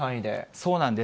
そうなんです。